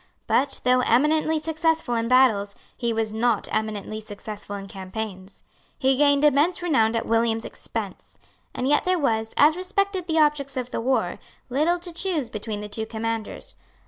But, though eminently successful in battles, he was not eminently successful in campaigns. He gained immense renown at William's expense; and yet there was, as respected the objects of the war, little to choose between the two commanders.